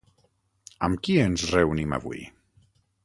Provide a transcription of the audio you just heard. Amb qui ens reunim avui?